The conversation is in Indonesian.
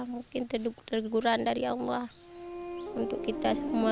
mungkin teguran dari allah untuk kita semua